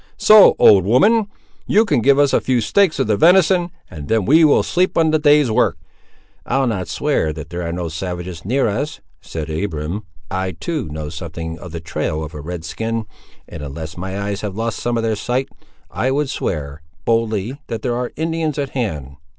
So, old woman, you can give us a few steaks of the venison, and then we will sleep on the day's work." "I'll not swear there are no savages near us," said Abiram. "I, too, know something of the trail of a red skin; and, unless my eyes have lost some of their sight, I would swear, boldly, that there ar' Indians at hand.